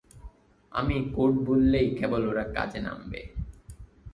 আমি কোড বললেই কেবল ওরা কাজে নামবে।